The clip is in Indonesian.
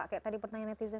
kayak tadi pertanyaan netizen